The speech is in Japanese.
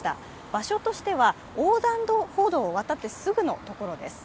場所としては横断歩道を渡ってすぐの所です。